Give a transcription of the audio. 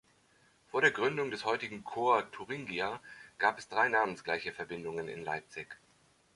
Vor der Gründung des heutigen Corps Thuringia gab es drei namensgleiche Verbindungen in Leipzig.